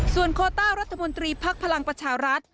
ส่วนโคต้ารัฐมนตรีพักพลังประชารัฐ